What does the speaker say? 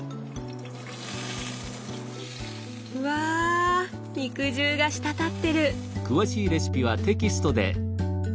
うわ肉汁が滴ってる！